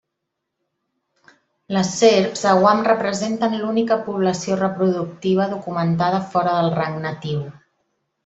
Les serps a Guam representen l'única població reproductiva documentada fora del rang natiu.